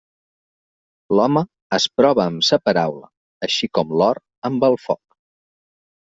L'home es prova amb sa paraula, així com l'or amb el foc.